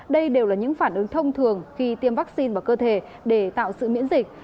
đây đều là những phản ứng thông thường khi tiêm vaccine vào cơ thể để tạo sự miễn dịch